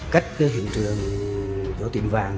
cách cái hiện trường của tiệm vàng